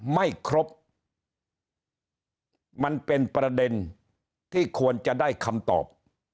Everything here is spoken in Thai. ไม่ครบมันเป็นประเด็นที่ควรจะได้คำตอบ